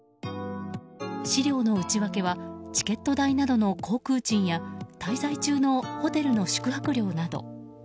資料の内訳はチケット代などの航空賃や滞在中のホテルの宿泊料など。